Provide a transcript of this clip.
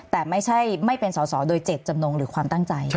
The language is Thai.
แต่ไม่ใช่ไม่เป็นสอสอโดยเจ็ดจำนงหรือความตั้งใจ